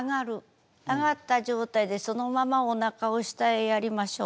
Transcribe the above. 上がった状態でそのままおなかを下へやりましょう。